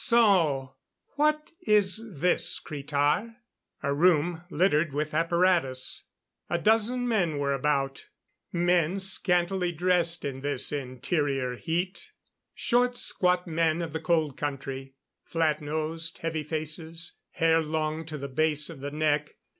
"So? What is this, Cretar?" A room littered with apparatus. A dozen men were about. Men scantily dressed in this interior heat. Short, squat men of the Cold Country; flat nosed, heavy faces; hair long to the base of the neck.